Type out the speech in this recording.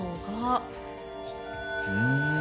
うん！